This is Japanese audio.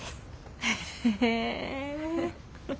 へえ。